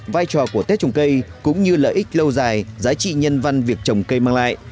vai trò của tết trồng cây cũng như lợi ích lâu dài giá trị nhân văn việc trồng cây mang lại